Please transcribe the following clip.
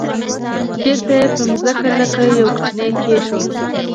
بیرته یې پر مځکه لکه یو وړوکی کېښود.